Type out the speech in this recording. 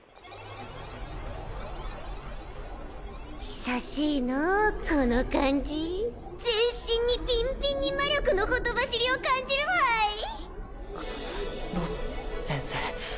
久しいのうこの感じ全身にビンビンに魔力のほとばしりを感じるわいロス先生